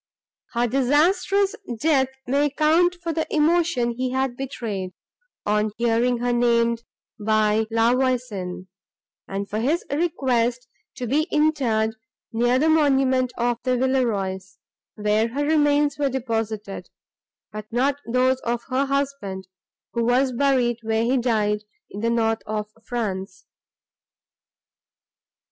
Her disastrous death may account for the emotion he had betrayed, on hearing her named by La Voisin, and for his request to be interred near the monument of the Villerois, where her remains were deposited, but not those of her husband, who was buried, where he died, in the north of France.